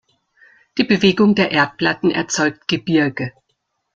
Die Bewegung der Erdplatten erzeugt Gebirge.